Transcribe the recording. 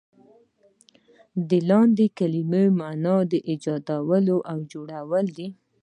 ددې لاتیني کلمې معنی ایجادول یا جوړول دي.